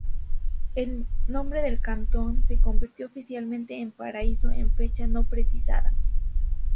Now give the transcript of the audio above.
El nombre del cantón se convirtió oficialmente en Paraíso en fecha no precisada.